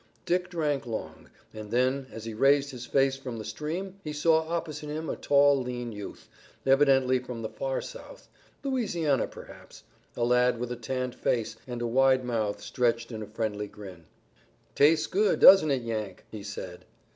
Dick drank long, and then as he raised his face from the stream he saw opposite him a tall, lean youth, evidently from the far South, Louisiana perhaps, a lad with a tanned face and a wide mouth stretched in a friendly grin. "Tastes good, doesn't it, Yank?" he said.